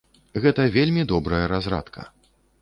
Гэта вельмі добрая разрадка.